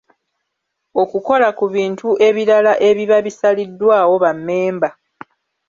Okukola ku bintu ebirala ebiba bisaliddwawo bammemba.